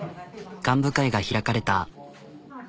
幹部会が開かれた。